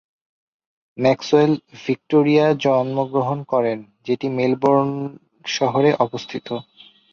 Maxwell Victoria জন্মগ্রহণ করেন; যেটি মেলবোর্নে শহরে অবস্থিত।